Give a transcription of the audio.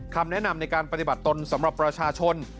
คำแนะนำในการปฏิบัติตนสำหรับประชาชน